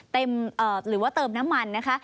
หรือว่าเติมน้ำมันนะคะ